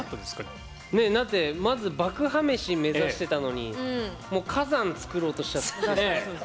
まず爆破メシ目指してたのにもう火山作ろうとしちゃって。